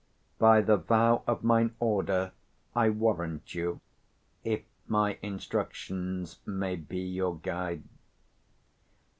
_ By the vow of mine order I warrant you, if my instructions may be your guide.